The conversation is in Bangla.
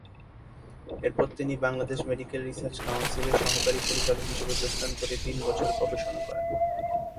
এরপর তিনি বাংলাদেশ মেডিকেল রিসার্চ কাউন্সিলে সহকারী পরিচালক হিসেবে যোগদান করে তিন বছর গবেষণা করেন।